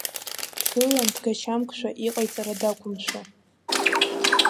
Дгылан дгачамкшәа, иҟаиҵара дақәымшәо.